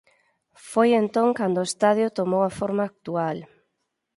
Foi entón cando o estadio tomou a forma actual.